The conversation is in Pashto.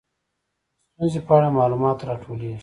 د ستونزې په اړه معلومات راټولیږي.